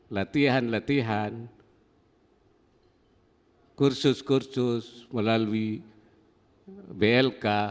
latihan latihan kursus kursus melalui blk